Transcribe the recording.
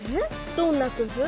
どんな工夫？